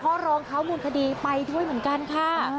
รองเท้ามูลคดีไปด้วยเหมือนกันค่ะ